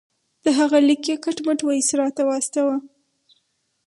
د هغه لیک یې کټ مټ وایسرا ته واستاوه.